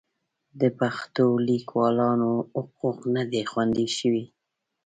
د پښتو لیکوالانو حقوق نه دي خوندي شوي.